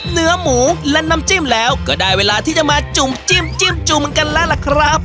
เนื้อหมูและน้ำจิ้มแล้วก็ได้เวลาที่จะมาจุ่มจิ้มจุ่มเหมือนกันแล้วล่ะครับ